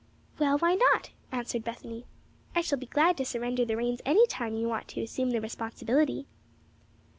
"Well, why not?" answered Bethany. "I shall be glad to surrender the reins any time you want to assume the responsibility."